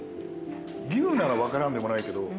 牛なら分からんでもないけど。